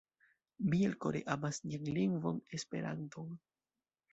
Mi elkore amas nian lingvon Esperanton.